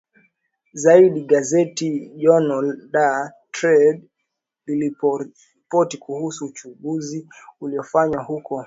zaidi Gazeti Jornal da Tarde liliripoti kuhusu uchunguzi uliofanywa huko